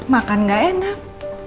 makan gak enak